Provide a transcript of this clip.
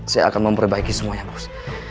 saya akan memperbaiki semuanya bos